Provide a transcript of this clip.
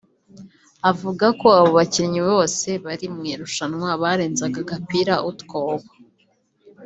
avuga ko abo bakinnyi bose bari mu irushanwa barenzaga agapira utwobo